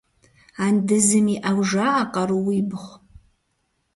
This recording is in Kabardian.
Андызым иӏэу жаӏэ къарууибгъу.